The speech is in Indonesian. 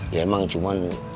ya emang cuman